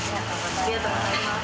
ありがとうございます。